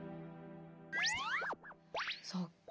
そっか。